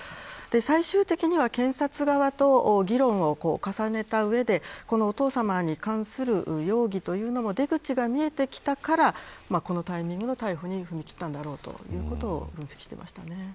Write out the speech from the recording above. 最終的には検察側と議論を重ねた上でお父さまに関する容疑というものの出口が見えてきたからこのタイミングの逮捕に踏み切ったんだろうということを分析していました。